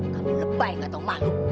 kamu lebay gak tahu malu